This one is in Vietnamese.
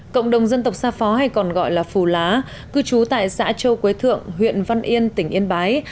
cộng đồng dân tộc xa phó hay còn gọi là phù lá cư trú tại xã châu quế thượng huyện văn yên tỉnh yên bái